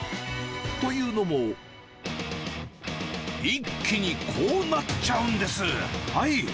というのも、一気にこうなっちゃうんです、はい。